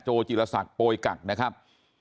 จิลศักดิ์โปยกักนะครับ